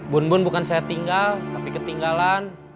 bun bun bukan saya tinggal tapi ketinggalan